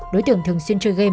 đối tượng thường xuyên chơi game